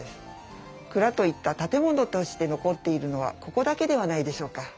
蔵といった建物として残っているのはここだけではないでしょうか。